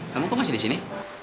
kamu kok masih disini